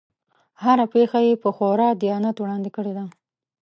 هره پېښه یې په خورا دیانت وړاندې کړې ده.